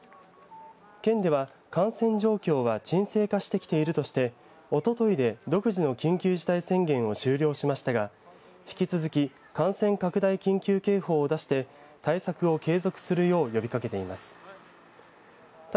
県では、感染状況は沈静化してきているとしておとといで独自の緊急事態宣言を終了しましたが引き続き感染拡大緊急警報を出して対策を継続するよう呼びかけています。